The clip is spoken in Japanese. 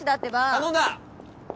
頼んだ！